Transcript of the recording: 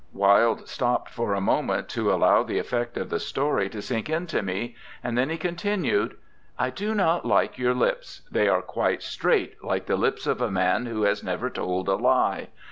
"' Wilde stopped for a moment to allow the effect of the story to sink into me, and then he continued, 'I do not like your lips; they are quite straight, like the lips of a man who has never told a lie.